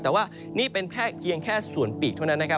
แต่ว่านี่เป็นแค่เพียงแค่ส่วนปีกเท่านั้นนะครับ